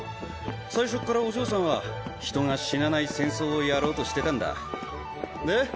最初っからお嬢さんは人が死なない戦争をやろうとしてたんだで？